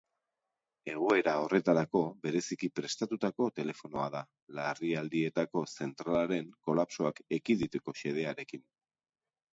Egoera horretarako bereziki prestatutako telefonoa da, larrialdietako zentralaren kolapsoak ekiditeko xedearekin.